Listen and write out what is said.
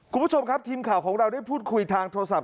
คุณผู้ชมครับทีมข่าวของเราได้พูดคุยทางโทรศัพ